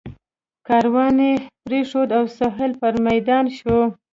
کاروان یې پرېښود او سهیل پر میدان شو.